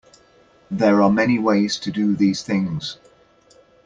There are many ways to do these things.